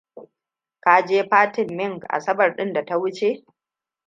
Ka je fatin Ming Asabar ɗin da ta wuce?